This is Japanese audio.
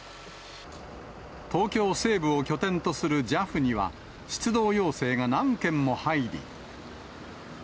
東京西部を拠点とするＪＡＦには、出動要請が何件も入り。